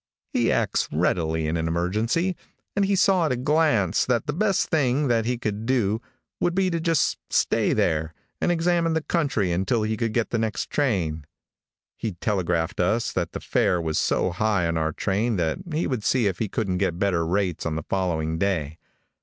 He acts readily in an emergency, and he saw at a glance that the best thing that he could do would be to just stay there, and examine the country until he could get the next train. He telegraphed us that the fare was so high on our train that he would see if he couldn't get better rates on the following day.